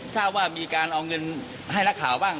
ทราบว่ามีการเอาเงินให้นักข่าวบ้าง